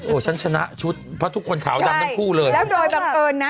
โอ้ฉันชนะชุดเพราะทุกคนถาวดำนั้นคู่เลย